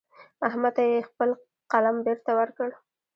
احمد ته يې خپل قلم بېرته ورکړ.